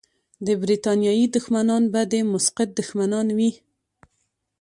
د برتانیې دښمنان به د مسقط دښمنان وي.